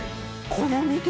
この、見て。